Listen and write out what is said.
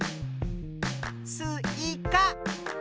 スイカ。